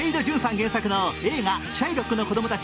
原作の映画「シャイロックの子供たち」